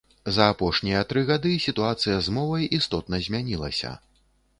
За апошнія тры гады сітуацыя з мовай істотна змянілася.